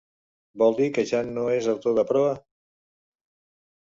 Vol dir que ja no es autor de Proa?